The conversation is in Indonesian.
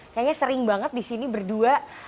kayaknya sering banget di sini berdua